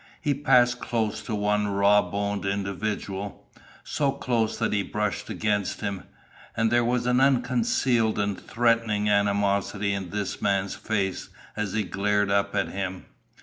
He passed close to one raw boned individual, so close that he brushed against him, and there was an unconcealed and threatening animosity in this man's face as he glared up at him.